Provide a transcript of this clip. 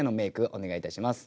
お願いいたします。